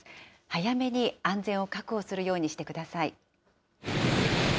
早めに安全を確保するようにしてください。